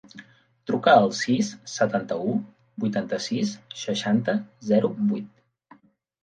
Truca al sis, setanta-u, vuitanta-sis, seixanta, zero, vuit.